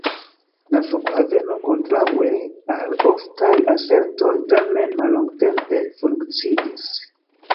La flughaveno, kontraŭe al oftaj asertoj, tamen mallongtempe funkciis.